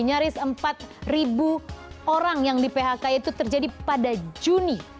nyaris empat orang yang di phk itu terjadi pada juni